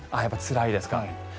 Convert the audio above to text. やっぱりつらいですか。